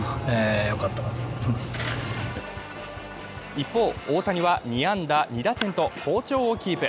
一方、大谷は２安打２打点と好調をキープ。